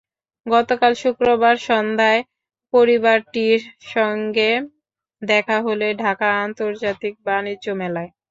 গতকাল শুক্রবার সন্ধ্যায় পরিবারটির সঙ্গে দেখা হলো ঢাকা আন্তর্জাতিক বাণিজ্য মেলায়।